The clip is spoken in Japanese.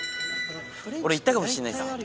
俺いったかもしんないっす。